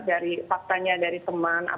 dari faktanya dari teman